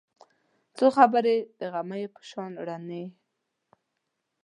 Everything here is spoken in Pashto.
څو خبرې د غمیو په شان روڼې